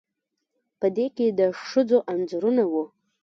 په دې کې د ښځو انځورونه وو